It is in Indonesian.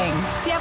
terima kasih pak